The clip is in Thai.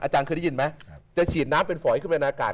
เคยได้ยินไหมจะฉีดน้ำเป็นฝอยขึ้นไปในอากาศ